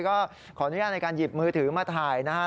ก็ขออนุญาตในการหยิบมือถือมาถ่ายนะฮะ